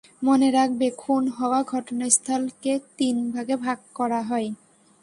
মনে রাখবে, খুন হওয়া ঘটনাস্থলকে তিন ভাগে ভাগ করা হয়।